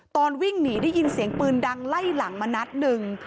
ตอนวิ่งหนีได้ยินเสียงปืนดังไล่หลังมานัดหนึ่ง